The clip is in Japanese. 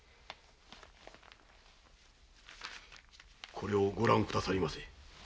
これをご覧くださいませ。